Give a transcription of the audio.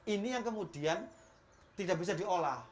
ini yang kemudian tidak bisa diolah